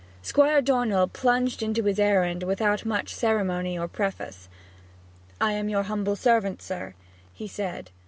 Squire Dornell plunged into his errand without much ceremony or preface. 'I am your humble servant, sir,' he said.